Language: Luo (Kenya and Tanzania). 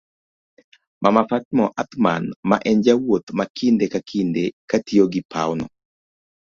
mama Fatma Athman ma en jawuoth ma kinde ka kinde katiyogi pawno